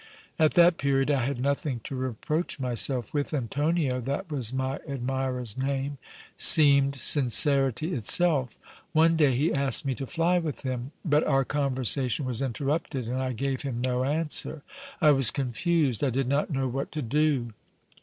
At that period I had nothing to reproach myself with, and Tonio, that was my admirer's name, seemed sincerity itself. One day he asked me to fly with him, but our conversation was interrupted and I gave him no answer. I was confused, I did not know what to do.